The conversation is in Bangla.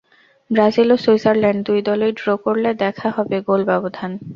ব্রাজিল ও সুইজারল্যান্ড দুই দলই ড্র করলে দেখা হবে গোল ব্যবধান।